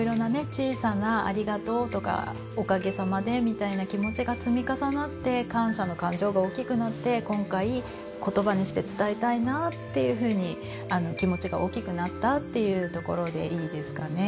小さなありがとうとかおかげさまでみたいな気持ちが積み重なって感謝の感情が大きくなって今回言葉にして伝えたいなっていうふうに気持ちが大きくなったっていうところでいいですかね？